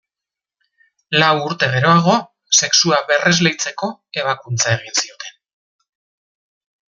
Lau urte geroago sexua berresleitzeko ebakuntza egin zioten.